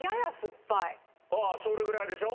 ああそれぐらいでしょ？